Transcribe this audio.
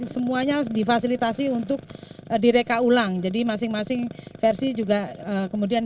semuanya difasilitasi untuk direka ulang jadi masing masing versi juga kemudian